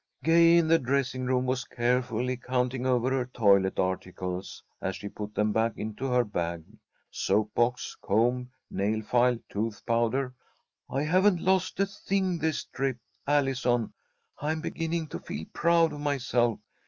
Gay, in the dressing room, was carefully counting over her toilet articles, as she put them back into her bag. "Soap box, comb, nail file, tooth powder I haven't lost a thing this trip, Allison. I'm beginning to feel proud of myself.